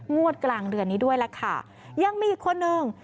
งวดกลางเดือนนี้ด้วยล่ะค่ะยังมีอีกคนนึง